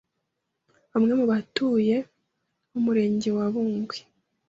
bamwe mu batuye Umurenge wa Bungwe